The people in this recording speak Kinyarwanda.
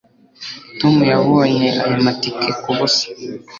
tom yabonye aya matike kubusa